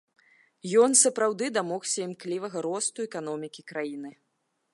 Ён сапраўды дамогся імклівага росту эканомікі краіны.